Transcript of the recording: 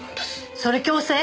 それ強制？